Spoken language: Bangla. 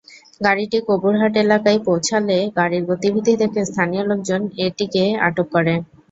গাড়িটি কবুরহাট এলাকায় পৌঁছালে গাড়ির গতিবিধি দেখে স্থানীয় লোকজন এটিকে আটক করে।